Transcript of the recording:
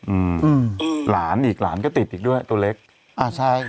อืมหลานอีกหลานก็ติดอีกด้วยตัวเล็กอ่าใช่